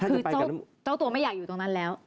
คือเจ้าตัวไม่อยากอยู่ตรงนั้นแล้ว